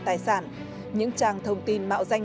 tài sản những trang thông tin mạo danh